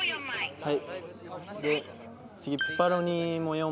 はい。